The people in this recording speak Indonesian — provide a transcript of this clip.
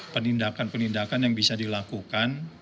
penindakan penindakan yang bisa dilakukan